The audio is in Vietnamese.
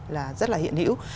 là rất là hiện hữu